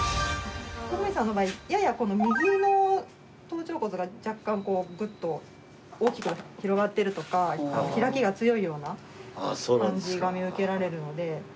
徳光さんの場合ややこの右の頭頂骨が若干グッと大きく広がってるとか開きが強いような感じが見受けられるので。